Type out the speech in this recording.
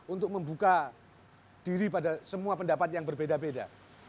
untuk membuka diri pada semua pendapat yang berbeda beda